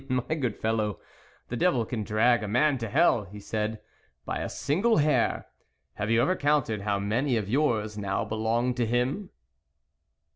" My good fellow, the devil can drag a man to hell," he said, " by a single hair. Have you ever counted how many of yours now belong to him